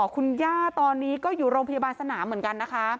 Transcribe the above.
คุณย่าตอนนี้ก็อยู่โรงพยาบาลสนามเหมือนกันนะคะ